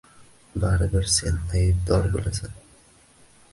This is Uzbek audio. Baribir sen aybdor bo‘lasan.